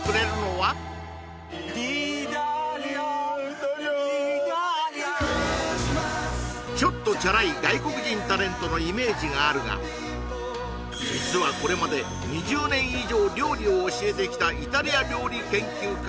今夜のちょっとのイメージがあるが実はこれまで２０年以上料理を教えてきたイタリア料理研究家